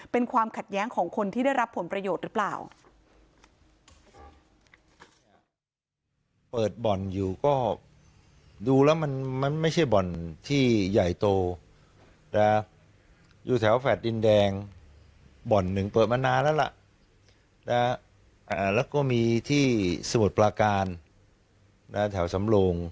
เป็นความขัดแย้งของคนที่ได้รับผลประโยชน์หรือเปล่า